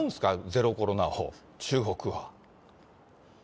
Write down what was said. ゼロコロナを、中国は。